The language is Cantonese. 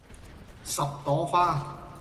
十朵花